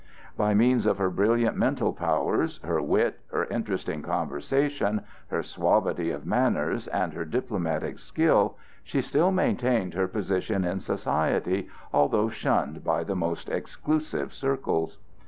By means of her brilliant mental powers, her wit, her interesting conversation, her suavity of manners, and her diplomatic skill, she still maintained her position in society, although shunned by the most exclusive circles.